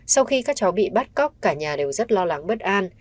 sau khi các cháu bị bắt cóc cả nhà đều rất lo lắng bất an